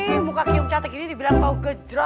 ini muka kiem catek ini dibilang bau gejrot